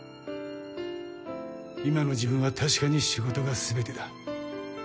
今の自分は確かに仕事が全てだ。